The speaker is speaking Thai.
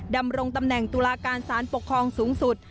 ดำรงตำแหน่งตุลาการสารปกครองสูงสุด